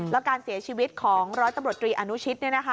แล้วการเสียชีวิตของฮตรอนุชิส